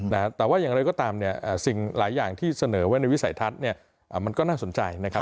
แต่ว่าอย่างไรก็ตามเนี่ยสิ่งหลายอย่างที่เสนอไว้ในวิสัยทัศน์เนี่ยมันก็น่าสนใจนะครับ